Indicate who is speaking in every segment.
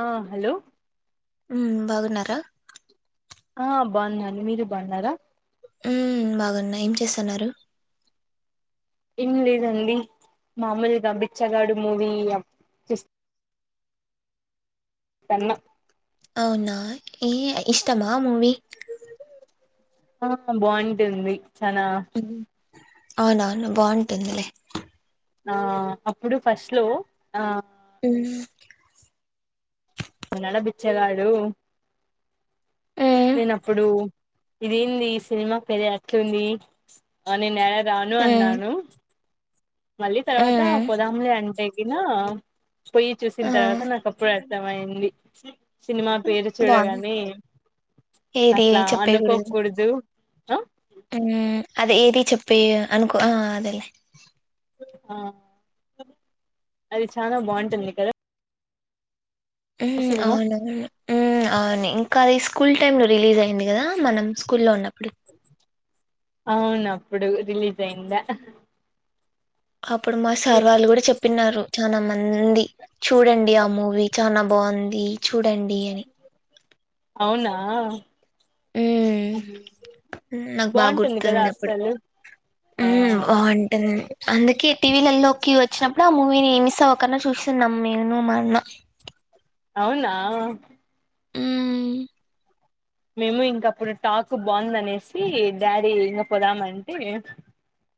Speaker 1: ఆ హలో
Speaker 2: ఉమ్ బాగున్నారా
Speaker 1: ఆ బాగున్నాను మీరు బాగున్నారా
Speaker 2: ఉ బాగున్నా ఏం చేస్తున్నారు
Speaker 1: ఏం లేదండి మామూలుగా బిచ్చగాడు మూవీ సన్న
Speaker 2: అవునా ఏ ఇష్టమా మూవీ
Speaker 1: ఆ బాగుంటుంది చనా
Speaker 2: అవునవును బాగుంటుందిలే
Speaker 1: ఆ అప్పుడు ఫస్ట్ లో ఆ
Speaker 2: హ్మ్
Speaker 1: ఉనడ బిచ్చగాడు
Speaker 2: హ్మ్
Speaker 1: నేనప్పుడు ఇదేంది సినిమా పేరే అట్లుంది అ నే నెలా రాను
Speaker 2: హ్మ్
Speaker 1: అన్నాను
Speaker 2: హ్మ్
Speaker 1: న పొయ్యి చూసిన
Speaker 2: ఆ
Speaker 1: తర్వాత నాకు అప్పుడు అర్థంమయింది సినిమా పేరు
Speaker 2: బాగుంది
Speaker 1: చూడగానే
Speaker 2: ఏది
Speaker 1: అట్లా
Speaker 2: చెప్పే కూడదు
Speaker 1: అనుకోకూడదు ఆ
Speaker 2: అది ఏది చెప్పి అనుకో అదేలే
Speaker 1: ఆ అది చాలా బాగుంటుంది కదా
Speaker 2: ఉమ్
Speaker 1: సినిమా
Speaker 2: అవునవును ఉమ్ అవును ఇంకా అది స్కూల్ టైమ్ లో రిలీజ్ అయింది కదా మనం స్కూల్ లో ఉన్నప్పుడు
Speaker 1: అవును అప్పుడు రిలీజ్ అయిందా
Speaker 2: అప్పుడు మా సార్
Speaker 1: మీ-
Speaker 2: వాళ్ళు కూడా చెప్పినారు చాలా మం ది చూడండి ఆ మూవీ చనా బాగుంది చూడండి అని
Speaker 1: అవునా
Speaker 2: హ్మ్ ఉమ్,
Speaker 1: బాగుంటుంది కదా అస్సలు ఆ
Speaker 2: ఉ బాగుంటుంది అందుకే టీవీలలో కి వచ్చినప్పుడు ఆ మూవీని మిస్ అవ్వకున్నా చూస్తున్నాం మేను మా అన్న
Speaker 1: అవునా
Speaker 2: ఉమ్
Speaker 1: మేము ఇంక అప్పుడు టాక్ బాగుందనేసి డాడీ ఇంక పోదామంటే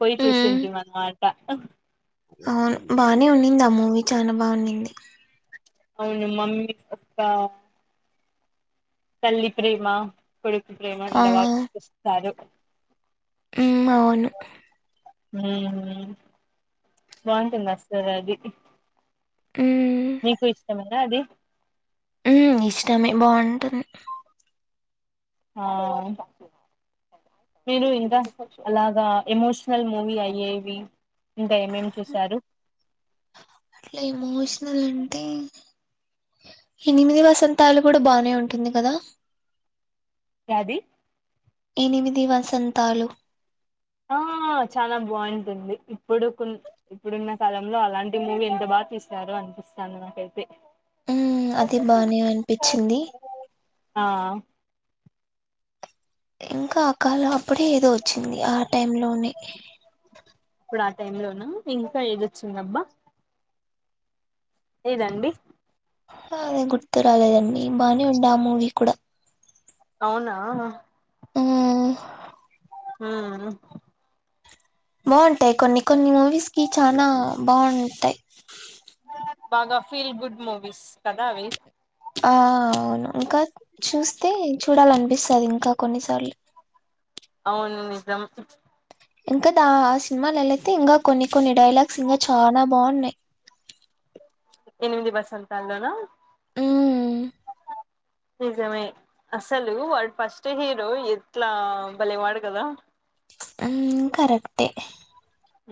Speaker 1: పోయి
Speaker 2: హ్మ్
Speaker 1: చూసింటి అన్నమాట
Speaker 2: అవును బానే ఉన్నింది ఆ మూవీ చనా బావున్నింది
Speaker 1: అవును మమ్మీ ఒక్క తల్లి ప్రేమ కొడుకు ప్రేమ
Speaker 2: ఆ
Speaker 1: అంద బా చుపిస్తస్తారు
Speaker 2: ఉమ్ అవును
Speaker 1: హ్మ్ హ్మ్ బాగుంటుంది అసలు అది
Speaker 2: హ్మ్
Speaker 1: నీకు ఇష్టమేనా అది
Speaker 2: ఉ ఇష్టమే బాగుంటుంది
Speaker 1: ఆ మీరు ఇంకా అలాగా ఎమోషనల్ మూవీ అయ్యేవి. ఇంకా ఏమేం చూశారు
Speaker 2: అట్లా ఎమోషనల్ అంటే ఎనిమిది వసంతాలు కూడా బానే ఉంటుంది కదా
Speaker 1: యాది
Speaker 2: ఎనిమిది వసంతాలు
Speaker 1: ఆ చాలా బాగుంటుంది ఇప్పుడు కు ఇప్పుడున్న కాలంలో అలాంటి మూవీ ఎంత బా తీశారు అన్పిస్తోంది నాకైతే
Speaker 2: ఉ అది బానే అనిపించింది
Speaker 1: ఆ
Speaker 2: ఇంకా ఆ కాలం అప్పుడే ఏదో వచ్చింది ఆ టైం లోనే
Speaker 1: టైం లోనా ఇంకా ఏదోచిందబ్బా ఏదండి
Speaker 2: అదే గుర్తు రాలేదండి బానే ఉండే ఆ మూవీ కూడా
Speaker 1: అవునా
Speaker 2: ఆహ్
Speaker 1: హ్మ్
Speaker 2: బాగుంటాయి కొన్ని కొన్ని మూవీస్ కి చానా బాగుంటాయి
Speaker 1: బాగా ఫీల్ గుడ్ మూవీస్ కదా అవి
Speaker 2: ఆ అవును ఇంకా చూస్తే చూడాలనిపిస్తది ఇంకా కొన్నిసార్లు
Speaker 1: అవును నిజం
Speaker 2: ఇంకా దా ఆ సినిమాలోలయితే ఇంగా కొన్ని కొన్ని డైలాగ్స్ ఇంగా చాలా బాగున్నాయి
Speaker 1: ఎనిమిది వసంతాల్లోనా
Speaker 2: ఉహ్
Speaker 1: [inaudible] నిజమే అసలు వాడు ఫస్ట్ హీరో ఎట్లా భలేవాడు కదా
Speaker 2: అహ్ కరెక్టే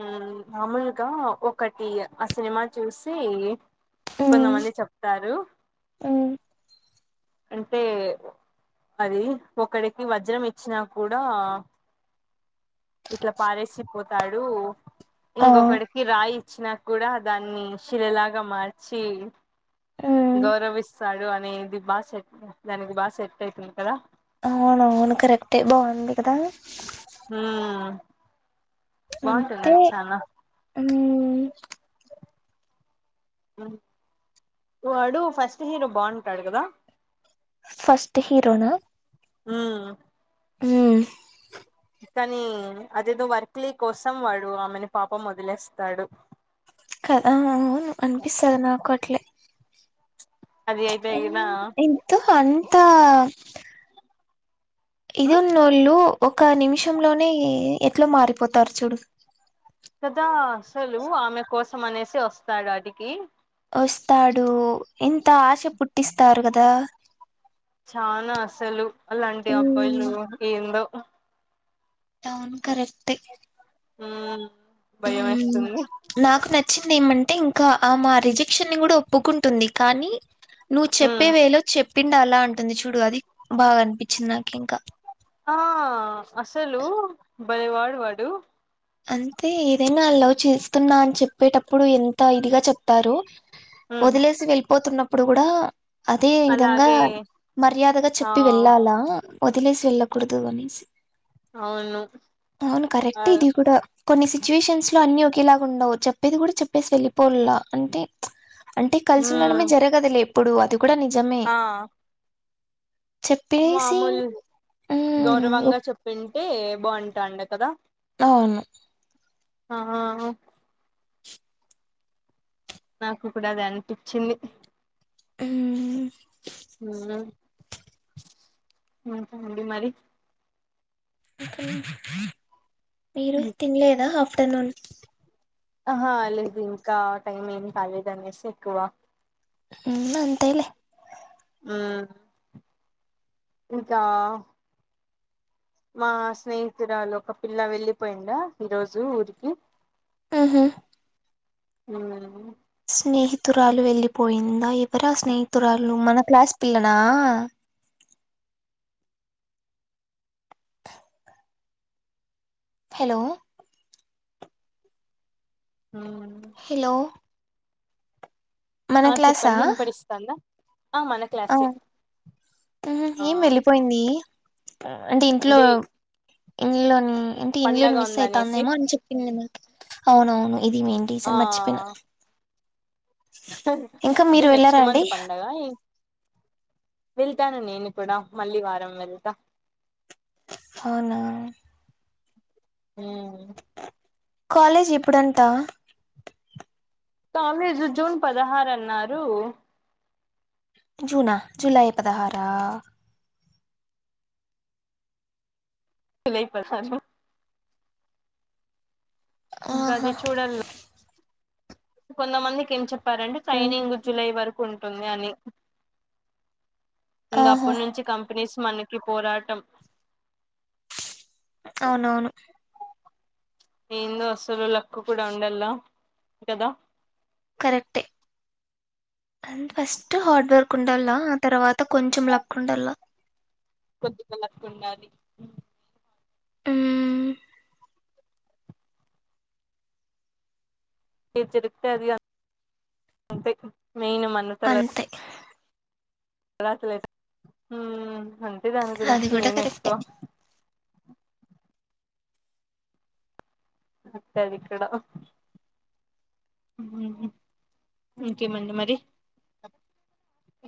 Speaker 1: హ్మ్ మామూలుగా ఒకటి ఆ సినిమా చూసి
Speaker 2: మ్మ్
Speaker 1: కొంతమంది చెప్తారు
Speaker 2: మ్మ్
Speaker 1: అంటే అది ఒకడికి వజ్రం ఇచ్చినా కూడా ఇట్లా పారేసిపోతాడు
Speaker 2: ఆ
Speaker 1: ఇంకొకడికి రాయి ఇచ్చినా కూడా దాన్ని శిలలాగా మార్చి
Speaker 2: మ్మ్
Speaker 1: గౌరవిస్తాడు అని నిది బాగా సెట్ దానికి బాగా సెట్ అయితుంది కదా
Speaker 2: అవునవును కరెక్టే బాగుంది కదా
Speaker 1: హ్మ్ బాగుంటుంది అది చానా
Speaker 2: హ్మ్
Speaker 1: [inaudible] హ్ వాడు ఫస్ట్ హీరో బాగుంటాడు కదా
Speaker 2: ఫస్ట్ హీరోనా
Speaker 1: హ్మ్
Speaker 2: హ్మ్
Speaker 1: కానీ అదేదో వర్క్లీ కోసం వాడు ఆమెను పాపం ఓదిలేస్తాడు
Speaker 2: కదా అవును అనిపిస్తది నాకు అట్లే
Speaker 1: అది అయిపోయిన
Speaker 2: ఇంత్ హాన్ త ఇదున్నోళ్ళూ ఒక నిమిషంలోనే ఎట్లా మారిపోతారు చూడు
Speaker 1: కదా అసలు ఆమె కోసం అనేసి వస్తాడు ఆడికి
Speaker 2: వస్తాడు ఇంత ఆశ పుట్టిస్తారు కదా
Speaker 1: చానా అసలు అలాంటి అబ్బాయిలు ఏందో
Speaker 2: అవున కరెక్ట్
Speaker 1: ఉ భయం వేస్తుంది
Speaker 2: వచ్చింది ఏమంటే ఇంకా మా రిజెక్షన్ ని కూడా ఒప్పుకుంటుంది కానీ నువ్వు చెప్పే
Speaker 1: ఉమ్
Speaker 2: వేలో చెప్పిండు అలా అంటుంది చూడు అది బాగా అనిపించింది నాకు ఇంకా
Speaker 1: ఆ అసలు భయవాడు వాడు
Speaker 2: అంతే ఏదైనా అ లవ్ చేస్తున్నా అని చెప్పేటప్పుడు ఎంత ఇదిగా చెప్తారు
Speaker 1: ఉమ్
Speaker 2: వదిలేసి వెళ్ళిపోతున్నప్పుడు కూడా అదే విధంగా
Speaker 1: అలాగే
Speaker 2: మర్యాదగా
Speaker 1: ఆ
Speaker 2: చెప్పి వెళ్ళాలా వదిలేసి వెళ్ళకూడదు అనేసి
Speaker 1: అవును
Speaker 2: అవును
Speaker 1: ఆ
Speaker 2: కరెక్ట్ ఇది కూడా కొన్ని సిచ్యువేషన్స్ లో అన్ని ఒకేలాగా ఉండవు చెప్పేది కూడా చెప్పేసి వెళ్ళిపోలా అంటే అంటే కలిసి ఉండడమే
Speaker 1: ఉమ్
Speaker 2: జరగదులే ఎప్పుడు అది కూడా నిజమే
Speaker 1: ఆ
Speaker 2: చెప్పేసి
Speaker 1: మామూలు
Speaker 2: ఉమ్
Speaker 1: గౌరవంగా చెప్పింటే బాగుంటాండి కదా
Speaker 2: అవును
Speaker 1: ఆ నాకు కూడా అది అనిపించింది
Speaker 2: ఉహ్
Speaker 1: ఉ ఉహ్ మారి
Speaker 2: మీరు తినలేదా ఆఫ్టర్నూన్
Speaker 1: ఆహా లేదు ఇంకా టైమ్ ఏం కాలేదు అనేసి ఎక్కువ
Speaker 2: ఉ అంతలే
Speaker 1: ఆ ఇంకా మా స్నేహితురాలు ఒక పిల్ల వెళ్ళిపోయిడా ఈరోజు ఊరికి
Speaker 2: ఉహు
Speaker 1: ఉ
Speaker 2: స్నేహితురాలు వెళ్ళిపోయిందా ఎవరా స్నేహితురాలు మన క్లాస్ పిల్లల హలో
Speaker 1: ఉమ్
Speaker 2: హలో మన
Speaker 1: ఆ
Speaker 2: క్లాసా
Speaker 1: చెప్పండి విను పడి ఇస్తాందా
Speaker 2: ఆ
Speaker 1: ఆ
Speaker 2: ఏం వెళ్ళిపోయింది అంటే ఇంట్లో ఇంలోని అంటే ఇంలోని
Speaker 1: పండగ
Speaker 2: మిస్
Speaker 1: ఉందనేసి
Speaker 2: అవుతందేమో అని చెప్పింది నాకు అవునవును ఇది మెయిన్
Speaker 1: ఆ
Speaker 2: రీజన్ మర్చిపోయినా ఇంకా
Speaker 1: అంటే
Speaker 2: మీరు
Speaker 1: నెక్స్ట్
Speaker 2: వెళ్ళారా అండి
Speaker 1: మంత్ పండగ వెళ్తాను నేనుప్పుడ మళ్ళీ వారం వెళ్తా
Speaker 2: అవునా
Speaker 1: ఉహ్
Speaker 2: కాలేజ్ ఇప్పుడంటా
Speaker 1: కాలేజు జూన్ పదహారు అన్నారు
Speaker 2: జూనా జులై పదహార
Speaker 1: [unintelligible] ఇంకా అది
Speaker 2: ఆహా
Speaker 1: చూడలా కొంతమందికి ఏం చెప్ చెప్పాలంటే
Speaker 2: ఉమ్.
Speaker 1: ట్రైనింగ్ జులై వరకు ఉంటుంది అని
Speaker 2: ఆహా
Speaker 1: ఇంకప్పటి నుంచి కంపెనీస్ మనకి పోరాటం
Speaker 2: అవునవును
Speaker 1: ఏందో అసలు లక్క కూడా ఉండలా కదా
Speaker 2: కరెక్టే అండ్ ఫస్ట్ హార్డ్ వర్క్ ఉండలా ఆ తర్వాత కొంచెం లక్ ఉండలా
Speaker 1: కొద్దిగా లక్ ఉండాలి
Speaker 2: హ్మ్
Speaker 1: ఏది జరిగితే అది అనుకోవాలి అంతే మైన్ మన తల
Speaker 2: అంతే
Speaker 1: త హ్మ్ అంతె దాని
Speaker 2: అది
Speaker 1: గురించి
Speaker 2: కూడా
Speaker 1: నేను ఎక్కువ
Speaker 2: కరెక్టే
Speaker 1: ఉంటాదికాడ ఇంకేమండి మరి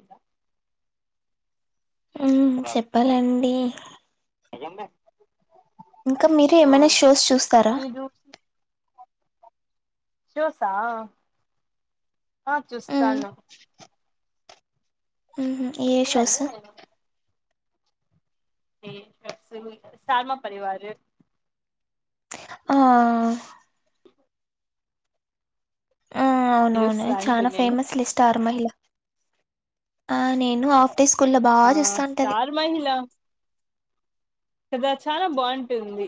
Speaker 1: ఇంకా
Speaker 2: హ్మ్ చెప్పాలండి
Speaker 1: అయిందే
Speaker 2: ఇంకా మీరు ఏమైనా షోస్ చూస్తారా
Speaker 1: షోస్సా ఆ
Speaker 2: హ్మ్
Speaker 1: చూస్తాను
Speaker 2: ఉహామ్ ఏ
Speaker 1: లేదంటే
Speaker 2: షోశు
Speaker 1: స్టార్ మా పరివారు
Speaker 2: ఆ అవునవును
Speaker 1: చూస్తా అంటి
Speaker 2: చాల
Speaker 1: నేను
Speaker 2: ఫేమస్లె స్టార్ మహిళ నేను అట్టే స్కూల్ల్లో
Speaker 1: ఆ
Speaker 2: బాగా చూస్తా ఉంటది
Speaker 1: స్టార్ మహిళ కదా చాలా బొంటుంది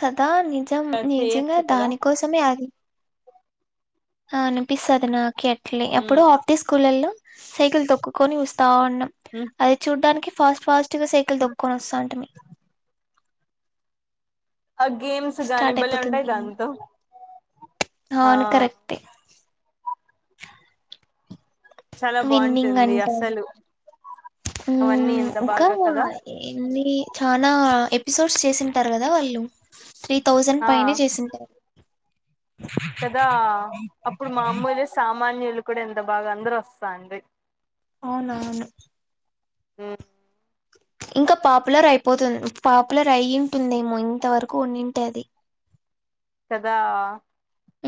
Speaker 2: కదా నిజం నిజంగా
Speaker 1: చేయొచ్చు కదా
Speaker 2: దానికోసమే అది అనిపిస్తుంది నాకు ఆట్లే
Speaker 1: ఉమ్
Speaker 2: అప్పుడు
Speaker 1: ఆ
Speaker 2: ఆఫ్డే స్కూల్ల్లో సైకిల్ తొక్కుకొని వస్తా ఉ
Speaker 1: ఉమ్
Speaker 2: అది చూడ్డానికి ఫాస్ట్ ఫాస్ట్గా సైకిల్ దొక్కొని వస్తా అంటిమి
Speaker 1: ఆ గేమ్స్ గానీ
Speaker 2: స్టార్ట్
Speaker 1: భలే ఉంటాయి
Speaker 2: అయిపోతుంది
Speaker 1: దంతో ఆ
Speaker 2: అవును కరెక్టే
Speaker 1: చాలా
Speaker 2: విన్నింగ్
Speaker 1: బాగుంటుంది
Speaker 2: అంటరు
Speaker 1: అసలు అవన్నీ
Speaker 2: హ్మ్
Speaker 1: ఎంత
Speaker 2: ఇంకా
Speaker 1: బాగా కదా
Speaker 2: ఏన్ని చనా ఎపిసోడ్స్ చేసింటారు కదా వాళ్ళు త్రీ థౌజండ్
Speaker 1: ఆ
Speaker 2: పైనే చేసింటారు
Speaker 1: కదా అప్పుడు మా అమ్మోలే సామాన్యులు కూడా ఎంత బాగా అందరు వస్తాండి
Speaker 2: అవునవును
Speaker 1: హ్మ్
Speaker 2: ఇంకా పాపులర్ అయిపోతుంది పాపులర్ అయింటుందేమో ఇంతవరకు ఉంన్నింటే అది
Speaker 1: కదా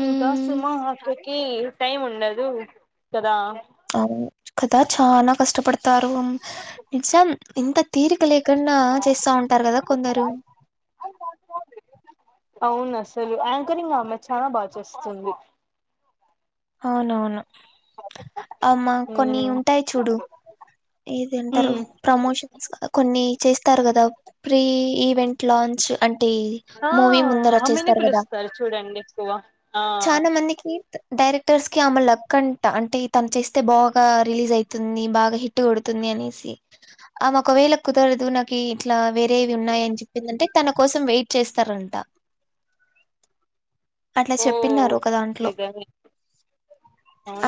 Speaker 1: ఇంకా సుమ అక్కకి టైం ఉండదు కదా
Speaker 2: అవును కద చాలా కష్టపడతారు ఇంత తీరిక లేకుండా చేస్తా ఉంటారు కదా కొందరు
Speaker 1: అవును అసలు యాంకరింగ్ ఆమె చాలా బాగా చేస్తుంది
Speaker 2: అవునవును అమ్మా కొన్ని
Speaker 1: ఉమ్
Speaker 2: ఉంటాయి చూడు ఏదింటారు
Speaker 1: ఉమ్
Speaker 2: ప్రమోషన్స్ కొన్ని చేస్తారు కదా ప్రీ ఈవెంట్ లాంచ్ అంటే
Speaker 1: ఆ
Speaker 2: మూవీ ముందర
Speaker 1: ఆమెనే
Speaker 2: చేేస్తారు కదా
Speaker 1: పిలుస్తారు చూడండి ఎక్కువ ఆ
Speaker 2: చాలా మందికి డైరెక్టర్స్ కి ఆమె లక్ అంట అంటే తను చేస్తే బాగా రిలీజ్ అవుతుంది బాగా హిట్ కొడుతు తుంది అనేసి ఆమె ఒకవేళ కుదరదు నాకి ఇట్లా వేరేవి ఉన్నాయిని చెప్పిందంటే తన కోసం వెయిట్ చేస్తారంట అట్లా
Speaker 1: ఓ
Speaker 2: చెప్పిన్నారు ఒక దాంట్లో
Speaker 1: నిజమే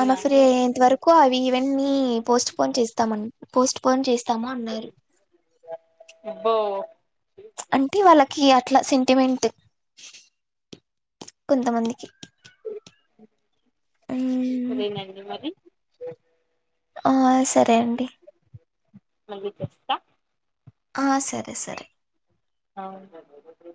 Speaker 2: అమె ఫ్రీ అయింతవరకు అ ఈ ఈవెంట్ నీ పోస్ట్ పోన్ చేస్తామం పోస్ట్ పోన్ చేస్త
Speaker 1: ఓ
Speaker 2: అంటే వాళ్ళకి అట్ల సెంటిమెంట్ కొంతమందికి ఉమ్
Speaker 1: శ్రీనగరి మరి
Speaker 2: ఆ సరే అండి
Speaker 1: మళ్లి చెస్తా
Speaker 2: ఆ సరే సరే
Speaker 1: అవు